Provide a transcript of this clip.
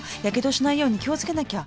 やけどしないように気を付けなきゃ。